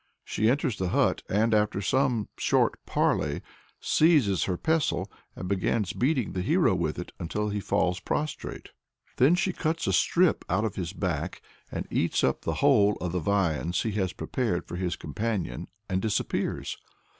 She enters the hut and, after some short parley, seizes her pestle, and begins beating the hero with it until he falls prostrate. Then she cuts a strip out of his back, eats up the whole of the viands he has prepared for his companions, and disappears.